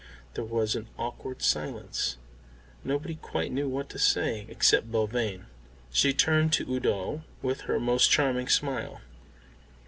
There was an awkward silence. Nobody quite knew what to say. Except Belvane. She turned to Udo with her most charming smile.